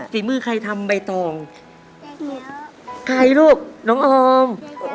ฝีมือใครทำใบตองใครลูกน้องออม